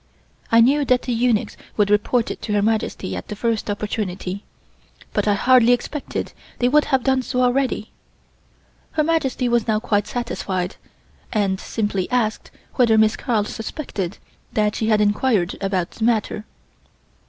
I knew that the eunuchs would report it to Her Majesty at the first opportunity, but I hardly expected they would have done so already. Her Majesty was now quite satisfied, and simply asked whether Miss Carl suspected that she had enquired about the matter.